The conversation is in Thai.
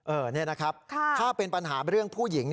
นี่นะครับถ้าเป็นปัญหาเรื่องผู้หญิง